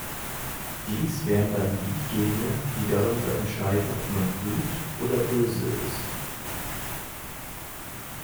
Dies wären dann die Gene, die darüber entscheiden, ob man „gut“ oder „böse“ ist.